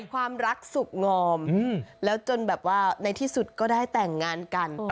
ความรักสุขงอมแล้วจนแบบว่าในที่สุดก็ได้แต่งงานกัน